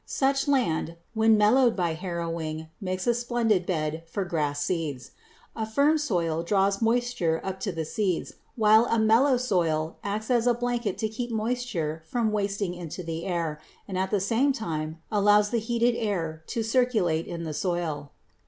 Such land when mellowed by harrowing makes a splendid bed for grass seeds. A firm soil draws moisture up to the seeds, while a mellow soil acts as a blanket to keep moisture from wasting into the air, and at the same time allows the heated air to circulate in the soil.